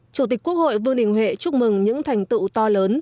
chủ tịch quốc hội vương đình huệ chúc mừng những thành tựu to lớn